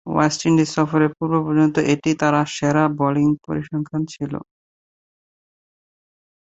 West Indies সফরের পূর্ব-পর্যন্ত এটিই তার সেরা বোলিং পরিসংখ্যান ছিল।